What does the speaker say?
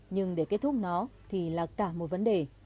nhưng để kết thúc nó thì là cả một vấn đề